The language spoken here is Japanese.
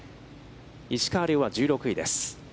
石川遼は１６位です。